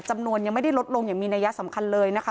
ยังไม่ได้ลดลงอย่างมีนัยสำคัญเลยนะคะ